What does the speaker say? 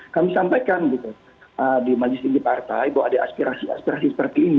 kami sampaikan gitu di magistri dipartai bahwa ada aspirasi aspirasi seperti ini